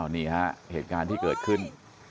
นี่ฮะเหตุการณ์ที่เกิดขึ้น